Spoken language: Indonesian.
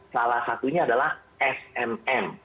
salah satunya adalah smm